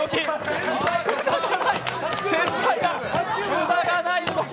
無駄がない動き。